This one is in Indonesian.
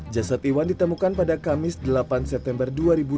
jasad iwan ditemukan pada kamis delapan september dua ribu dua puluh